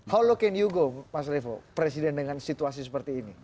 bagaimana anda melihat presiden dengan situasi seperti ini